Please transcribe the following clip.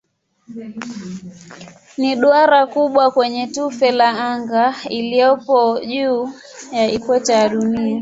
Ni duara kubwa kwenye tufe la anga iliyopo juu ya ikweta ya Dunia.